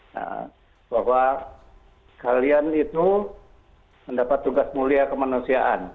nah bahwa kalian itu mendapat tugas mulia kemanusiaan